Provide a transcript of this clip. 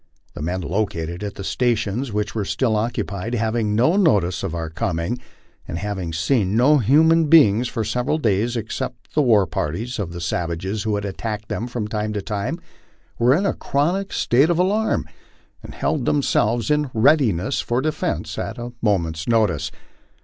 The men located at the stations which were still occupied, having no notice of our coming, and having seen no human beings for several days except the war parties of savages who had attacked them from, time to time, were in a chronic state of alarm, and held themselves in readiness for defence at a moment's notice.